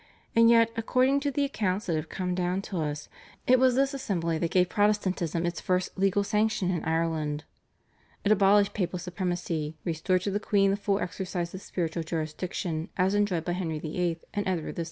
And yet, according to the accounts that have come down to us, it was this assembly that gave Protestantism its first legal sanction in Ireland. It abolished papal supremacy, restored to the queen the full exercise of spiritual jurisdiction as enjoyed by Henry VIII. and Edward VI.